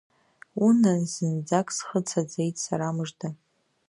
Унан, зынӡак схы цаӡеит, сара мыжда.